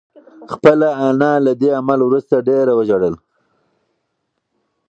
خپله انا له دې عمل وروسته ډېره وژړل.